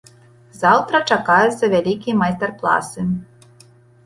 Заўтра чакаюцца вялікія майстар-класы.